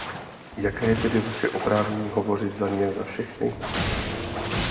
Jaké je tedy Vaše oprávnění hovořit za ně za všechny?